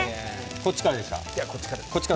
こっちからですか。